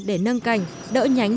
để nâng cảnh đỡ nhánh